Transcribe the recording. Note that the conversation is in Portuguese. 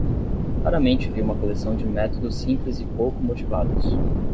Raramente vi uma coleção de métodos simples e pouco motivados.